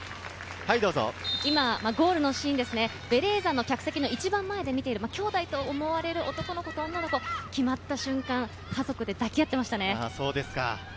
ベレーザの客席の一番前で見ている、きょうだいと思われる男の子と女の子、決まった瞬間、家族で抱き合っていましたね。